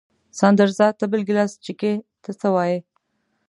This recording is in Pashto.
ساندرزه ته بل ګیلاس څښې، ته څه وایې؟